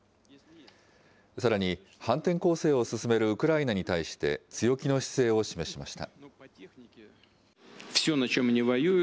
さらに反転攻勢を進めるウクライナに対して強気の姿勢を示しました。